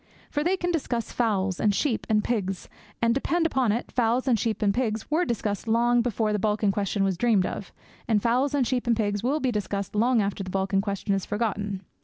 For they can discuss fowls and sheep and pigs; and, depend upon it, fowls and sheep and pigs were discussed long before the Balkan question was dreamed of, and fowls and sheep and pigs will be discussed long after the Balkan question is forgotten.